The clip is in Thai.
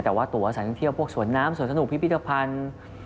แต่ว่าตัวสารท่องเที่ยวพวกสวนน้ำสวนสนุกพิพิธภัณฑ์